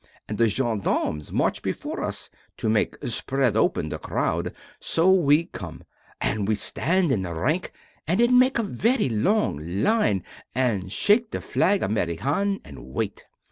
And the gendarmes march before us to make spread open the crowd so we come. And we stand in rank and it make a very long line and shake the flag American and wait.